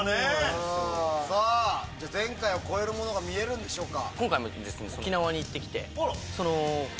前回を超えるものが見れるんでしょうか？